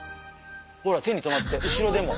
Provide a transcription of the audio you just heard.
ほら手にとまって後ろでも。